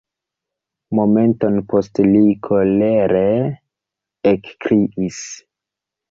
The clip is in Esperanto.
Momenton poste li kolere ekkriis: